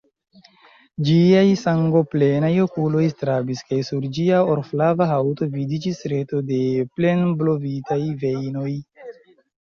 Ĝiaj sangoplenaj okuloj strabis, kaj sur ĝia orflava haŭto vidiĝis reto da plenblovitaj vejnoj.